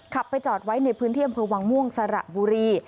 ไปจอดไว้ในพื้นที่อำเภอวังม่วงสระบุรี